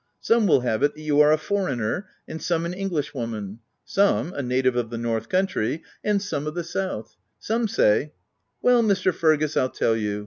Some will have it that you are a foreigner, and some an Englishwoman ; some a native of the north country, and some of the south ; some say—" "Well, Mr. Fergus, I'll tell you.